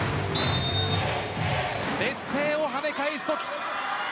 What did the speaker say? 劣勢を跳ね返すとき